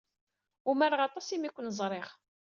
Umareɣ aṭas imi ay ken-ẓriɣ.